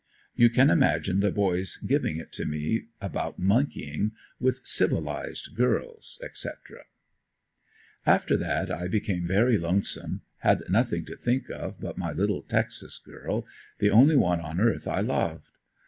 You can imagine the boys giving it to me about monkeying with civilized girls, etc. After that I became very lonesome; had nothing to think of but my little Texas girl the only one on earth I loved.